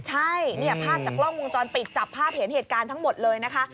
ใช่เนี่ยภาพจากกล้องวงจรปิดจับภาพเห็นเหตุการณ์ทั้งหมดเลยนะคะ